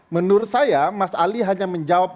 menurut saya mas ali hanya menjawab